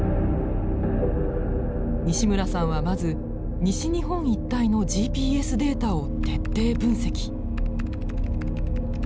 西村さんはまず西日本一帯のＧＰＳデータを徹底分析。